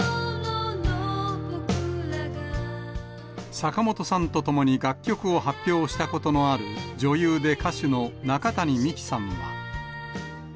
坂本さんと共に楽曲を発表したことのある、女優で歌手の中谷美紀さんは。